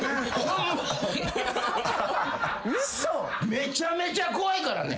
めちゃめちゃ怖いからね。